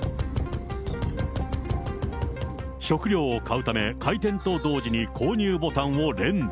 食料を買うため、開店と同時に購入ボタンを連打。